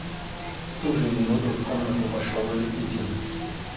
В ту же минуту в комнату вошел Липутин.